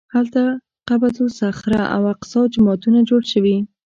هلته قبة الصخره او الاقصی جوماتونه جوړ شوي.